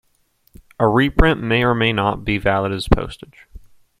A reprint may or may not be valid as postage.